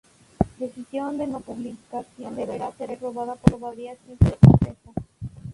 La decisión de no publicación deberá ser aprobada por mayoría simple del Consejo.